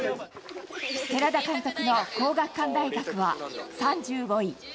寺田監督の皇學館大学は３５位。